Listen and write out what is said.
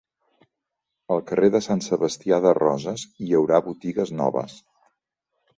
Al carrer de Sant Sebastià de Roses hi haurà botigues noves.